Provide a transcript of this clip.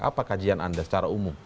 apa kajian anda secara umum